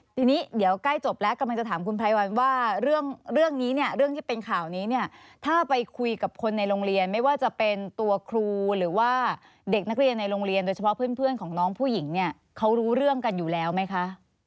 ทีนี้เดี๋ยวใกล้จบแล้วกำลังจะถามคุณไพรวันว่าเรื่องนี้เนี่ยเรื่องที่เป็นข่าวนี้เนี่ยถ้าไปคุยกับคนในโรงเรียนไม่ว่าจะเป็นตัวครูหรือว่าเด็กนักเรียนในโรงเรียนโดยเฉพาะเพื่อนของน้องผู้หญิงเนี่ยเขารู้เรื่องกันอยู่แล้วไหมคะ